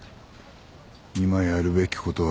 今やるべきことは。